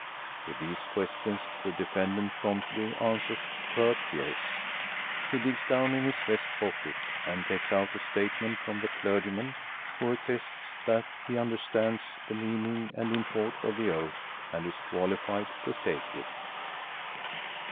To these questions the defendant promptly answers a curt yes. He digs down in his vest pocket and takes out a statement from the clergyman who attests that he understands the meaning and import of the oath and is qualified to take it.